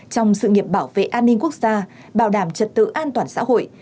trong sự nghiệp bảo vệ an ninh quốc gia bảo đảm trật tự an toàn xã hội